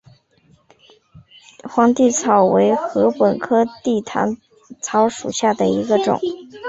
帝皇草为禾本科地毯草属下的一个种。